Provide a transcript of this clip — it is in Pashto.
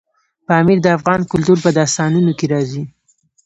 پامیر د افغان کلتور په داستانونو کې راځي.